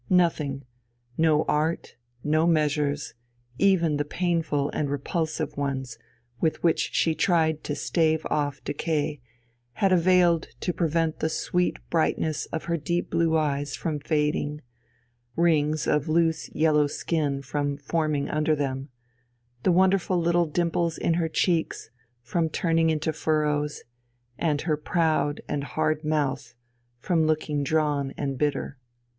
Nothing, no art, no measures, even the painful and repulsive ones, with which she tried to stave off decay, had availed to prevent the sweet brightness of her deep blue eyes from fading, rings of loose yellow skin from forming under them, the wonderful little dimples in her cheeks from turning into furrows, and her proud and hard mouth from looking drawn and bitter.